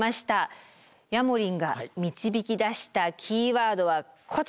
ヤモリンが導き出したキーワードはこちらです。